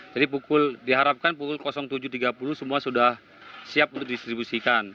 jadi diharapkan pukul tujuh tiga puluh semua sudah siap untuk didistribusikan